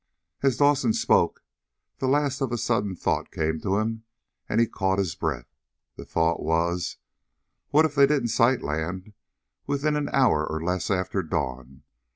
As Dawson spoke the last a sudden thought came to him, and he caught his breath. The thought was: What if they didn't sight land within an hour or less after dawn?